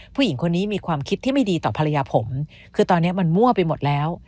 ผู้หญิงคนนี้มีความคิดที่ไม่ดีต่อภรรยาผมคือตอนนี้มันมั่วไปหมดแล้ว